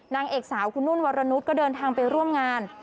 นางเอกสาวคุณนุ่นวรนุษย์ก็เดินทางไปร่วมงาน